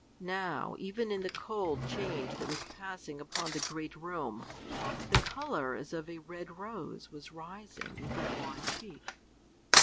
now, even in the cold change that was passing upon the great room, the color as of a red rose was rising in the wan cheek.